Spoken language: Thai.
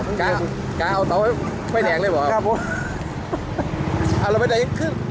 คือกาเอาเต้าฮักไปแหลกเลยบอกครับเอาาไว้ใดยังคือ